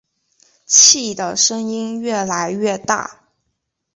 气的声音越来越大